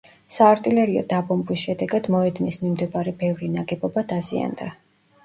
საარტილერიო დაბომბვის შედეგად მოედნის მიმდებარე ბევრი ნაგებობა დაზიანდა.